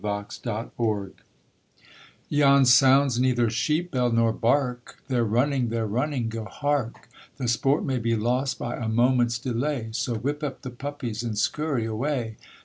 THE FIND Yon sound's neither sheep bell nor bark, They're running they're running, Go hark! The sport may be lost by a moment's delay; So whip up the puppies and scurry away.